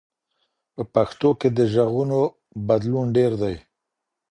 په پښتو کي د ږغونو بدلون ډېر دی.